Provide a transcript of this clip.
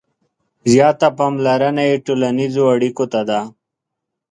• زیاته پاملرنه یې ټولنیزو اړیکو ته ده.